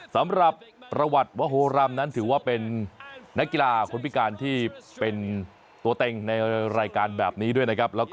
สำหรับประวัติวโฮรำนั้นถือว่าเป็นนักกีฬาคนพิการที่เป็นตัวเต็งในรายการแบบนี้ด้วยนะครับ